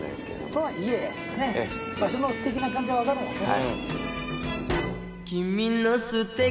とはいえねっ場所のすてきな感じは分かるもんね。